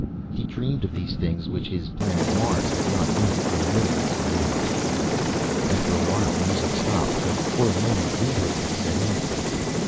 He dreamed of these things which his planet Mars had not known for millions of years. After a while, the music stopped, but for a moment neither of them said anything.